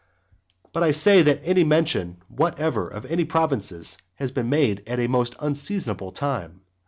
But I say that any mention whatever of any provinces has been made at a most unseasonable time.